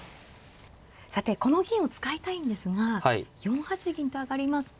さてこの銀を使いたいんですが４八銀と上がりますと。